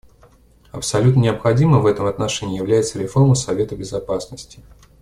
Абсолютно необходимой в этом отношении является реформа Совета Безопасности.